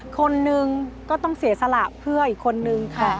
คนนึงก็ต้องเสียสละเพื่ออีกคนนึงค่ะ